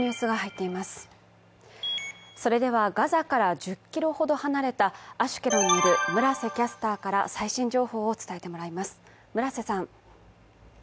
ガザから１０ｋｍほど離れたアシュケロンにいる村瀬キャスターから最新情報を伝えてもらいます。